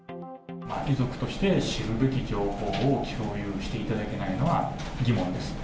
遺族として知るべき情報を共有していただけないのは疑問です。